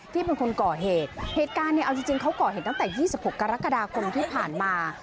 ที่เป็นคนก่อเหตุเหตุการณ์เนี่ยเอาจริงเขาก่อเหตุตั้งแต่๒๖กรกฎาคมที่ผ่านมา